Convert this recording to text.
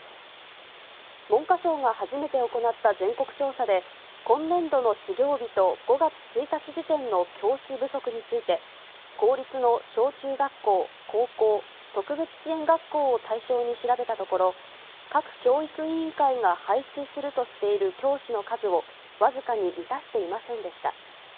文科省が初めて行った全国調査で、今年度の始業日と５月１日時点の教師不足について、公立の小中学校、高校、特別支援学校を対象に調べたところ、各教育委員会が配置するとしている教師の数を僅かに満たしていませんでした。